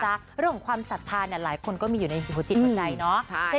เรื่องของความสัทธานั้นหลายคนก็อยู่ในหิวจิตในหัวใจ